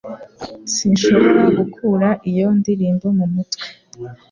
Sinshobora gukura iyo ndirimbo mumutwe